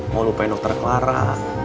mau lupain dokter clara